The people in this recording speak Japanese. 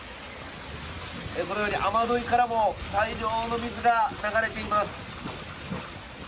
このように雨どいからも大量の水が流れています。